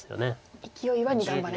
いきおいは二段バネ。